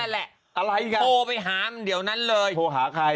แกอย่าแล้วโทรไปหานั้นเดี๋ยวโทรหาขาย